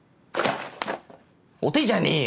お手じゃねえよ。